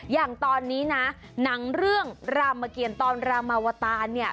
อย่างตอนนี้นะหนังเรื่องรามเกียรตอนรามาวตารเนี่ย